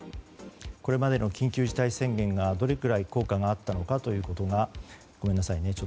これまでの緊急事態宣言がどれぐらい効果があったのかがごめんなさいね。